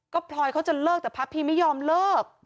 ก็พลอยเขาจะเลิกแต่พระพีไม่ยอมเลิก